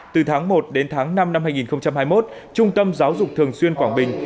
từ tháng một đến tháng năm năm hai nghìn hai mươi một trung tâm giáo dục thường xuyên quảng bình